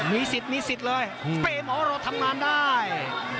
มีสิทธิ์มีสิทธิ์เลยเป้หมอเราทำงานได้